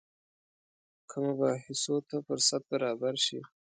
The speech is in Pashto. که مباحثو ته فرصت برابر شي.